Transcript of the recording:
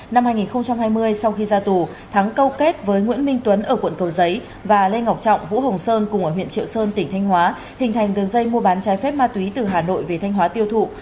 năm hai nghìn hai mươi sau khi ra tù thắng câu kết với nguyễn minh tuấn ở quận cầu giấy và lê ngọc trọng vũ hồng sơn cùng ở huyện triệu sơn tỉnh thanh hóa hình thành đường dây mua bán trái phép ma túy từ hà nội về thanh hóa tiêu thụ